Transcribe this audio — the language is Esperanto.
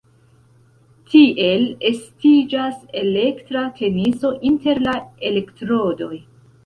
Tiel estiĝas elektra tensio inter la elektrodoj.